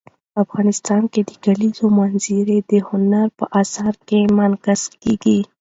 افغانستان کې د کلیزو منظره د هنر په اثار کې منعکس کېږي.